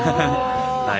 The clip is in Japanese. はい。